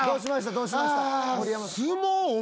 どうしました？